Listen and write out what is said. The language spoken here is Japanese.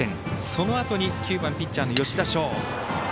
そのあとに９番ピッチャーの吉田翔。